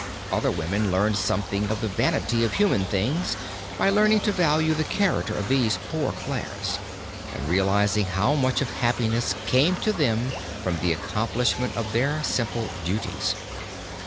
Other women learned something of the vanity of human things by learning to value the character of these Poor Clares and realizing how much of happiness came to them from the accomplishment of their simple duties.